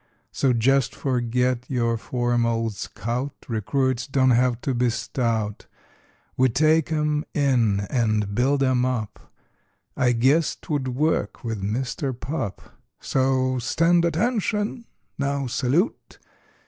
So just forget your form, old scout; Recruits don't have to be stout; We take 'em in and build 'em up— I guess 'twould work with Mister Pup— So stand ATTENTION, now—Salute!